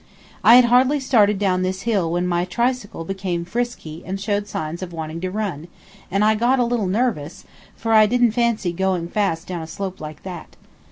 I had hardly started down this hill when my tricycle became frisky and showed signs of wanting to run, and I got a little nervous, for I didn't fancy going fast down a slope like that.